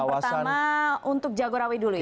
kita lihat yang pertama untuk jagorawi dulu ya